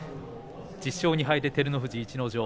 １０勝２敗で照ノ富士、逸ノ城。